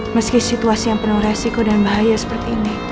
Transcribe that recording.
meski situasi yang penuh resiko dan bahaya seperti ini